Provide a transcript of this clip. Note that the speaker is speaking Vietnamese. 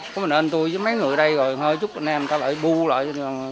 có mình anh tôi với mấy người ở đây rồi hơi chút anh em ta lại bu lại